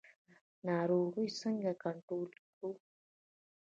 ناروغي څنګه کنټرول کړو؟